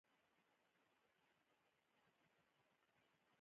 د ملګرو ملتونو تر مشرۍ لاندې يوه نوې ارزونه ښيي